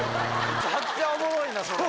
めちゃくちゃおもろいな。